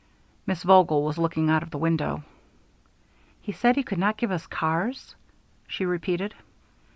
Miss Vogel was looking out of the window. "He said he could not give us cars?" she repeated.